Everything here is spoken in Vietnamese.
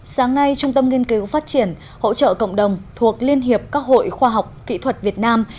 sáng nay trung tâm nghiên cứu phát triển hỗ trợ cộng đồng thuộc liên hiệp các hội khoa học kỹ thuật việt nam